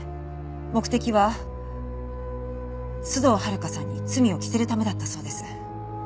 目的は須藤温香さんに罪を着せるためだったそうです。